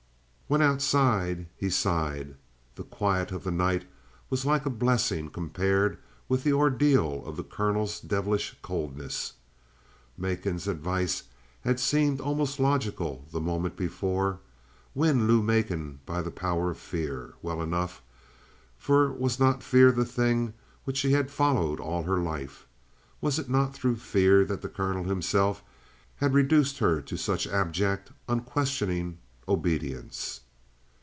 When outside, he sighed; the quiet of the night was like a blessing compared with the ordeal of the colonel's devilish coldness. Macon's advice had seemed almost logical the moment before. Win Lou Macon by the power of fear, well enough, for was not fear the thing which she had followed all her life? Was it not through fear that the colonel himself had reduced her to such abject, unquestioning obedience?